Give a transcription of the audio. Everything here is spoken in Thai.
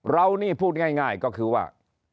เรานี่พูดง่ายก็คือว่า